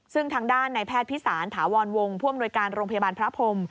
ซึ่งทางด้านในแพทย์พิสารถาวรวงผู้อำนวยการโรงพยาบาลพระพรม